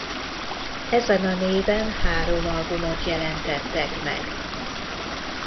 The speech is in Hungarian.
Ezen a néven három albumot jelentettek meg.